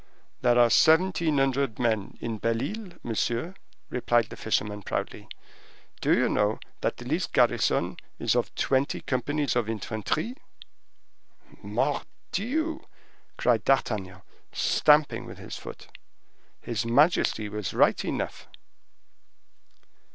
"There are seventeen hundred men in Belle Isle, monsieur," replied the fisherman, proudly. "Do you know that the least garrison is of twenty companies of infantry?" "Mordioux!" cried D'Artagnan, stamping with his foot. "His majesty was right enough."